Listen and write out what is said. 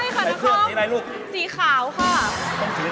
กลับเดี๋ยวที่นี่เลย